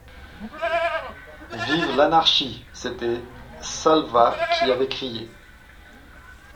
Vive l'anarchie ! C'était Salvat qui avait crié.